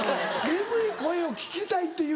眠い声を聞きたいっていう。